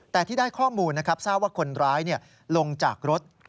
แต่ที่ได้ข้อมูลนะครับทราบว่าคนร้ายลงจากรถ